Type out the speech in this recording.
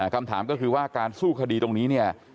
คำถามก็คือว่าการสู้คดีตรงนี้เนี่ย